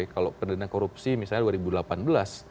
kalau pendanaan korupsi misalnya dua ribu delapan belas